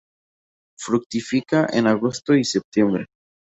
Fructifica en agosto y septiembre.